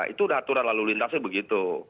itu udah aturan lalu lintasnya begitu